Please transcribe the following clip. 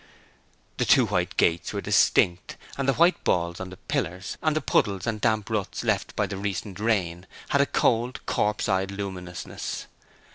The two white gates were distinct, and the white balls on the pillars, and the puddles and damp ruts left by the recent rain, had a cold, corpse eyed luminousness.